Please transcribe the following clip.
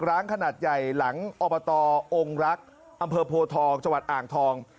ร้านขนาดใหญ่หลังอบตองค์รักอำเภอโพทองจังหวัดอ่างทอง